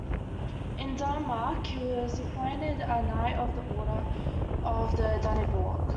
In Denmark he was appointed a Knight of the Order of the Dannebrog.